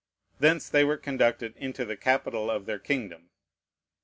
Thence they were conducted into the capital of their kingdom.